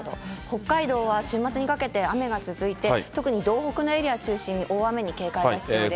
北海道は週末にかけて雨が続いて、特に道北のエリア中心に大雨に警戒が必要です。